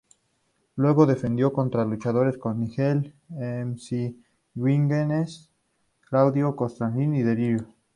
Luego defendió contra luchadores como Nigel McGuinness, Claudio Castagnoli, y Delirious.